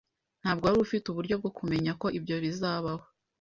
Ntabwo wari ufite uburyo bwo kumenya ko ibyo bizabaho.